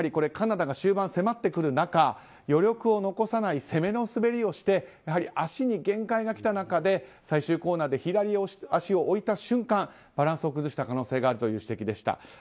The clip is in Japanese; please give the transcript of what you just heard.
カナダが終盤、迫ってくる中余力を残さない攻めの滑りをしてやはり足に限界がきた中で最終コーナーで左足を置いた瞬間バランスを崩した可能性があるという指摘でした。